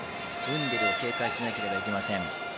ウンデルを警戒しなければいけません。